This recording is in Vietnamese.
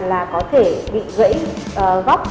là có thể bị rẫy góc